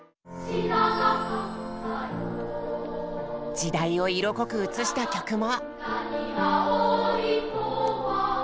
時代を色濃く映した曲も。